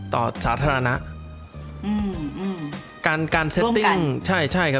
ต่อสาธารณะ